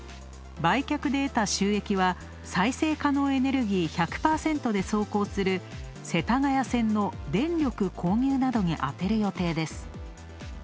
売却で得た収益は、再生可能エネルギー１００％で走行する世田谷線の電力購入などに充てる予定です。